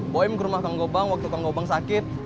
boem ke rumah kang gobang waktu kang gobang sakit